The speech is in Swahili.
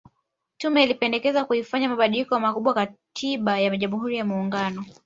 Tume ilipendekeza kuifanyia mabadiliko makubwa katiba ya Jamhuri ya Muungano